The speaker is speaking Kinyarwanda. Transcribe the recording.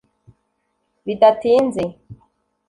-Bidatinze